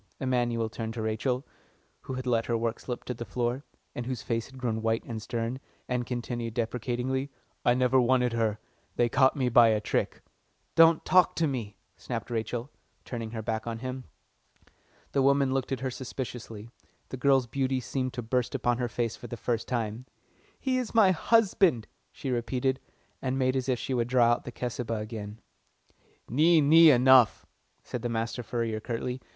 Emanuel turned to Rachel, who had let her work slip to the floor, and whose face had grown white and stern, and continued deprecatingly, "I never wanted her. They caught me by a trick." "Don't talk to me," snapped Rachel, turning her back on him. The woman looked at her suspiciously the girl's beauty seemed to burst upon her for the first time. "He is my husband," she repeated, and made as if she would draw out the Cesubah again. "Nee, nee, enough!" said the master furrier curtly.